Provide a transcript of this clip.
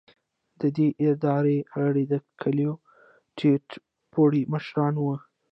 د دې ادارې غړي د کلیو ټیټ پوړي مشران وو.